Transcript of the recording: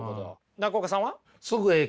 中岡さんは？